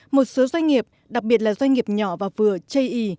một số doanh nghiệp đặc biệt là doanh nghiệp nhỏ và vừa chây ý